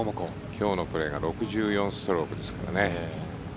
今日のプレーが６４ストロークですからね。